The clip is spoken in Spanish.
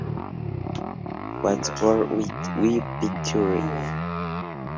What's Wrong With This Picture?